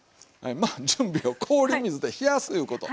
まあ準備を氷水で冷やすいうこと。